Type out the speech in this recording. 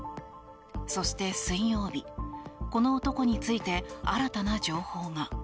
そして水曜日この男について新たな情報が。